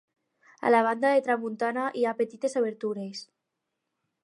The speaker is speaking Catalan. A la banda de tramuntana hi ha petites obertures.